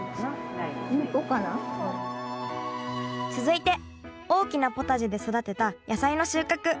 続いて大きなポタジェで育てた野菜の収穫。